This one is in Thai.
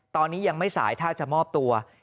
ตอนนี้ยังไม่สายถ้าจะมอบตัว